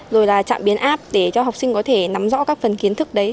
rồi là trạm biến áp để cho học sinh có thể nắm rõ các phần kiến thức đấy